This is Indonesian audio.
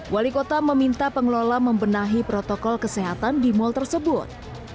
wali kota meminta pengelola membenahi protokol kesehatan di mal tersebut